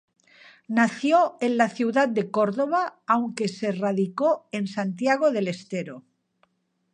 Nació en la ciudad de Córdoba aunque se radicó en Santiago del Estero.